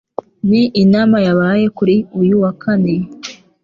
Ni inama yabaye kuri uyu wa kane